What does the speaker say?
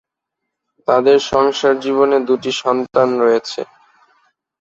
তাদের সংসার জীবনে দুটি সন্তান রয়েছে।